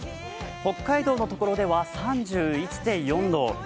北海道・常呂では３１．４度。